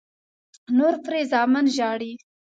نور پرې زامن ژاړي.